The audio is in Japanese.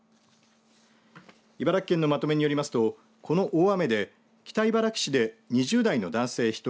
茨城県のまとめによりますとこの大雨で北茨城市で２０代の男性１人